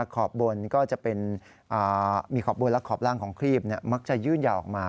ขอบบนก็จะเป็นมีขอบบนและขอบล่างของครีบมักจะยื่นยาวออกมา